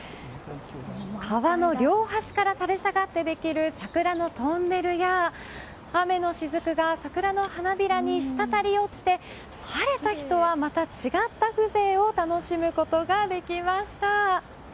川の両端から垂れ下がってできる桜のトンネルや雨のしずくが桜の花びらに滴り落ちて晴れた日とはまた違った風情を楽しむことができました。